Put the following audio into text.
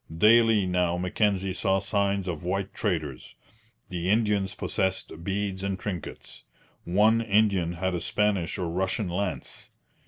Daily now Mackenzie saw signs of white traders. The Indians possessed beads and trinkets. One Indian had a Spanish or Russian lance.